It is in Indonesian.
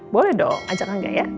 boleh dong ajak anda ya